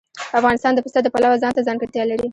افغانستان د پسه د پلوه ځانته ځانګړتیا لري.